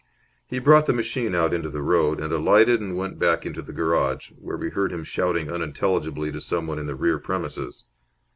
He brought the machine out into the road, and alighted and went back into the garage, where we heard him shouting unintelligibly to someone in the rear premises.